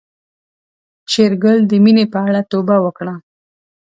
شېرګل د مينې په اړه توبه وکړه.